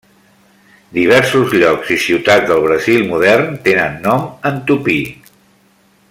Diversos llocs i ciutats del Brasil modern tenen nom en tupí.